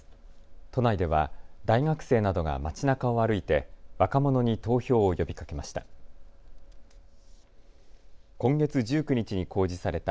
都内では大学生などが街なかを歩いて若者に投票を呼びかけました。